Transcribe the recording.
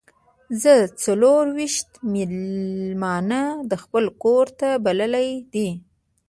زه څلور ویشت میلمانه د خپل کور ته بللي دي.